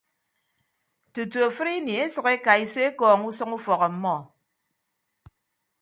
Tutu afịdini esʌk ekaiso ekọọñ usʌñ ufọk ọmmọ.